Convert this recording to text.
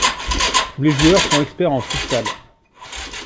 Tous les joueurs sont experts en futsal.